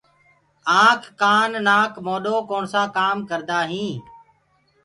آنک ڪآن نآڪ موڏو ڪوڻسآ ڪآم ڪردآئين